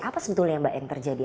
apa sebetulnya yang terjadi